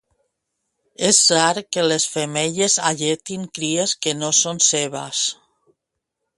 És rar que les femelles alletin cries que no són seves